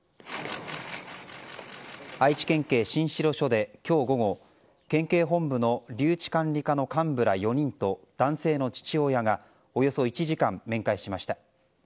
愛知県警新城署で今日午後県警本部の留置管理課の幹部ら４人と男性の父親がおよそ１時間、面会しました。